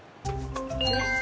よし。